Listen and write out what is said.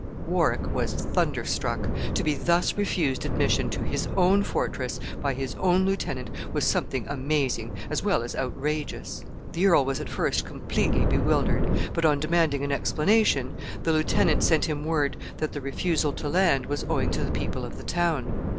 Warwick was thunderstruck. To be thus refused admission to his own fortress by his own lieutenant was something amazing, as well as outrageous. The earl was at first completely bewildered; but, on demanding an explanation, the lieutenant sent him word that the refusal to land was owing to the people of the town.